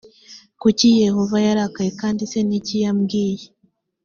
kuki yehova yarakaye kandi se ni iki yabwiye